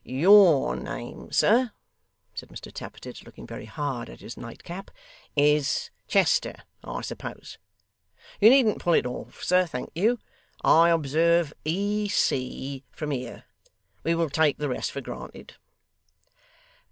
YOUR name, sir,' said Mr Tappertit, looking very hard at his nightcap, 'is Chester, I suppose? You needn't pull it off, sir, thank you. I observe E. C. from here. We will take the rest for granted.